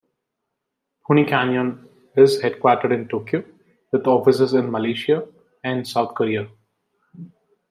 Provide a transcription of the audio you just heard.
Pony Canyon is headquartered in Tokyo with offices in Malaysia and South Korea.